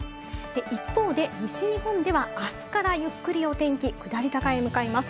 一方で西日本では明日からゆっくりお天気、下り坂へ向かいます。